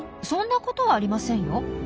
そんなことはありませんよ。